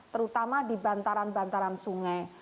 terutama di bantaran bantaran sungai